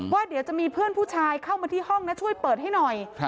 ว่าเดี๋ยวจะมีเพื่อนผู้ชายเข้ามาที่ห้องนะช่วยเปิดให้หน่อย